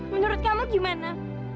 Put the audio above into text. menurut kamu gimana